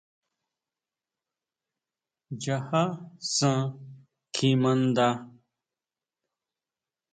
Nchaja san kjimanda.